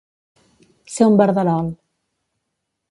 Ser un verderol.